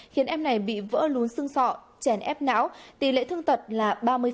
khiến em này bị vỡ lún xương sọ chèn ép não tỷ lệ thương tật là ba mươi